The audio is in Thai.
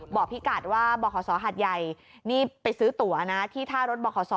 บ่อพี่กัดว่าบ่อขอสอหัดใหญ่นี่ไปซื้อตัวนะที่ท่ารถบ่อขอสอ